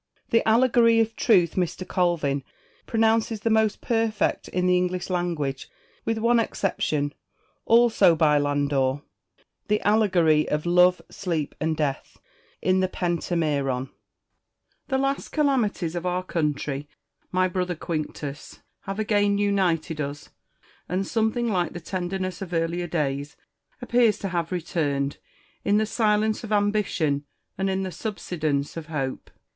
The Allegory of Truth Mr. Colvin pronounces the most perfect in the English language with one exception, also by Landor — the Allegory of Love, Sleep, and Death La the Pentameron. ] Marcus. The last calamities of our country, my brother Quinctus, have again united us ; and something like the tenderness of earlier days appears to have returned, in the silence of ambition and in the subsidence of hope.